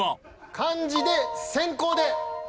漢字で先攻で。